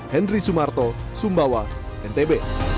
henry sumarto sumbawa ntb